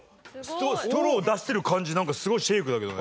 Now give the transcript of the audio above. ストロー出してる感じなんかすごいシェイクだけどね。